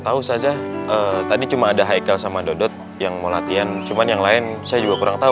tahu saza tadi cuma ada hikal sama dodot yang mau latihan cuman yang lain saya juga kurang tahu